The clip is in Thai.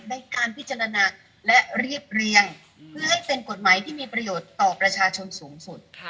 ในการพิจารณาและเรียบเรียงเพื่อให้เป็นกฎหมายที่มีประโยชน์ต่อประชาชนสูงสุด